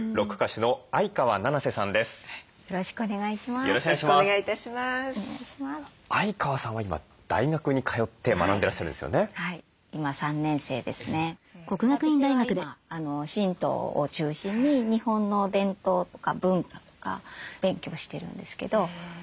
私は今神道を中心に日本の伝統とか文化とか勉強してるんですけど。